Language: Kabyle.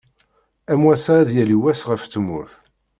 Am wass-a ad yali wass ɣef tmurt.